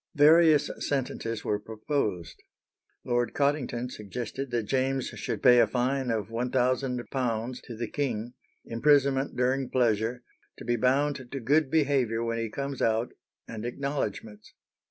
Various sentences were proposed. Lord Cottington suggested that James should pay a fine of £1,000 to the king, imprisonment during pleasure, to be bound to good behaviour when he comes out, and acknowledgments.